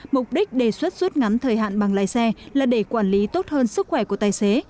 mục đích đề xuất rút ngắn thời hạn bằng lái xe là để quản lý tốt hơn sức khỏe của tài xế